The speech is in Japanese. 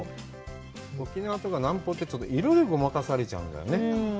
沖縄とか南方って、色でごまかされちゃうんだよね。